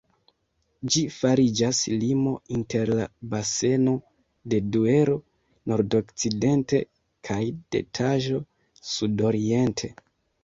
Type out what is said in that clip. Ĝi fariĝas limo inter la baseno de Duero, nordokcidente, kaj de Taĵo, sudoriente.